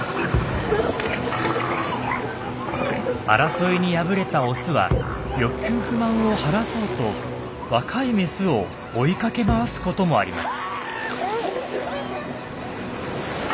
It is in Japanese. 争いに敗れたオスは欲求不満を晴らそうと若いメスを追いかけ回すこともあります。